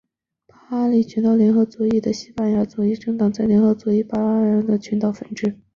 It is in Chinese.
巴利阿里群岛联合左翼是西班牙左翼政党联盟联合左翼在巴利阿里群岛的分支。